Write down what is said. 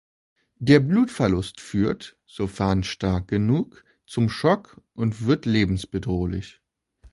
Der Blutverlust führt, sofern stark genug, zum Schock und wird lebensbedrohlich.